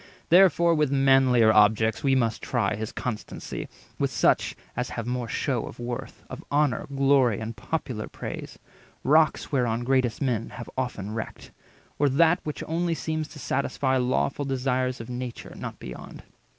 Therefore with manlier objects we must try His constancy—with such as have more shew Of worth, of honour, glory, and popular praise (Rocks whereon greatest men have oftest wrecked); Or that which only seems to satisfy Lawful desires of nature, not beyond.